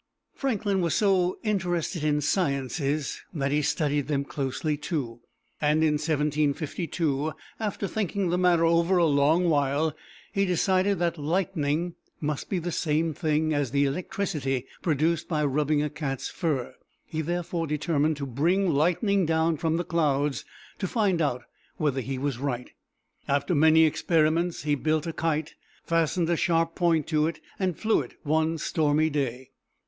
Franklin was so interested in sciences that he studied them closely, too; and in 1752, after thinking the matter over a long while, he decided that lightning must be the same thing as the electricity produced by rubbing a cat's fur. He therefore determined to bring lightning down from the clouds, to find out whether he was right. After many experiments, he built a kite, fastened a sharp point to it, and flew it one stormy day.